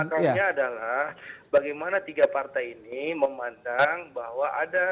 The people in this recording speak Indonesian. nah kalaunya adalah bagaimana tiga partai ini memandang bahwa ada